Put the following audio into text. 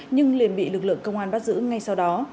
nhưng liền bị lực lượng công an bắt giữ ngay sau đó